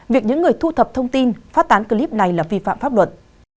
việc những người thu thập thông tin phát tán clip này là vi phạm pháp luật